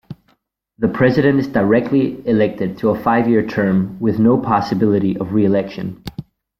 The president is directly elected to a five-year term, with no possibility of re-election.